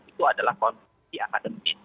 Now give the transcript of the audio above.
itu adalah konsepsi akademis